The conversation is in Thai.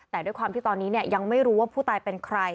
แต่ด้วยความที่ตอนนี้ยังไม่รู้ว่าผู้ตายเป็นใคร